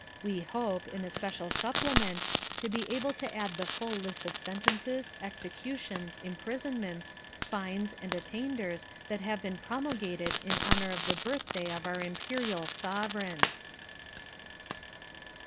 We hope, in a special supplement, to be able to add the full list of sentences, executions, imprisonments, fines, and attainders that have been promulgated in honour of the birthday of our Imperial Sovereign.